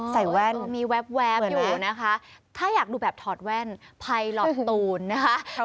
ใส่แว่นเหมือนแบบนั้นนะคะถ้าอยากดูแบบถอดแว่นไพล็ตตูนนะคะ